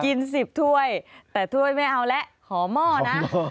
กินสิบถ้วยแต่ถ้วยไม่เอาและขอหม้อนะ